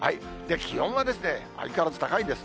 気温はですね、相変わらず高いんです。